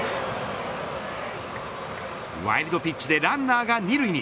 ワイルドピッチでランナーが２塁に。